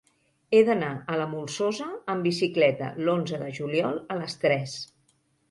He d'anar a la Molsosa amb bicicleta l'onze de juliol a les tres.